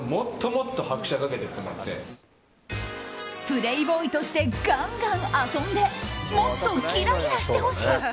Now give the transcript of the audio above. プレーボーイとしてガンガン遊んでもっとギラギラしてほしい。